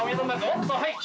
はい。